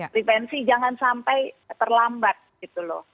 prevensi jangan sampai terlambat gitu loh